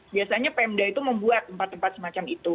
biasanya pemda itu membuat tempat tempat semacam itu